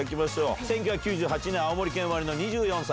１９９８年、青森県生まれの２４歳。